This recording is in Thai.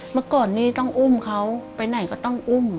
เมื่อก่อนนี้ต้องอุ้มเขาไปไหนก็ต้องอุ้ม